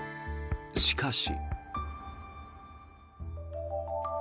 しかし。